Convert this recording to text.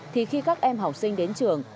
thì khi các em học sinh đến trường